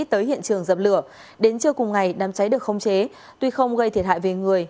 tới hiện trường dập lửa đến trưa cùng ngày đám cháy được không chế tuy không gây thiệt hại về người